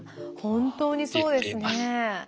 本当にそうですね。